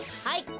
はい。